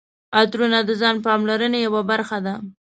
عطرونه د ځان پاملرنې یوه برخه ده.